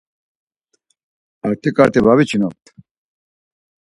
Artiǩarti va viçinopt.